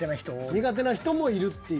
苦手な人もいるっていう。